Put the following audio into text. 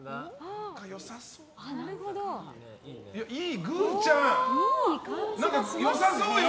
いい、グンちゃん良さそうよ！